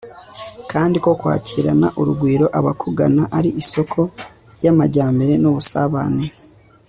kandi ko kwakirana urugwiro abakugana ari isoko y'amajyambere n'ubusabane